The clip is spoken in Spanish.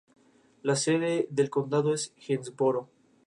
La sede del condado es Greensboro.